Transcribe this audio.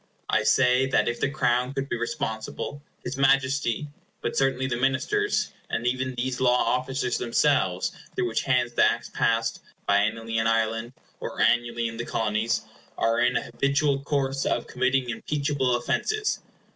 I say that if the Crown could be responsible, his Majesty—but certainly the Ministers,—and even these law officers themselves through whose hands the Acts passed, biennially in Ireland, or annually in the Colonies—are in an habitual course of committing impeachable offences.